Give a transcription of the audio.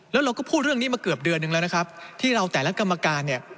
แล้วเราก็พูดเรื่องนี้มาเกือบเดือนหนึ่งแล้วนะครับที่เราแต่ละกรรมการเนี่ย